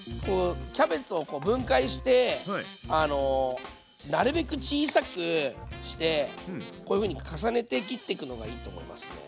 キャベツをこう分解してなるべく小さくしてこういうふうに重ねて切ってくのがいいと思いますね。